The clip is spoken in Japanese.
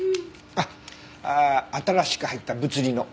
あっ新しく入った物理の。